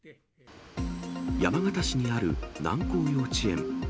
山形市にある南光幼稚園。